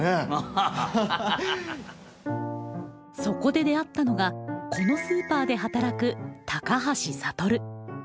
そこで出会ったのがこのスーパーで働く高橋羽。